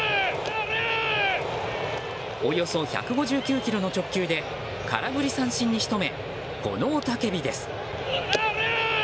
およそ１５９キロの直球で空振り三振に仕留めこの雄たけびです。